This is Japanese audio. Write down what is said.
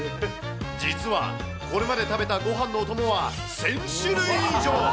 実はこれまで食べたごはんのお供は１０００種類以上。